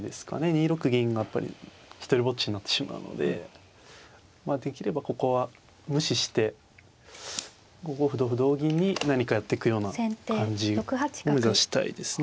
２六銀がやっぱり独りぼっちになってしまうのでできればここは無視して５五歩同歩同銀に何かやってくような感じを目指したいですね。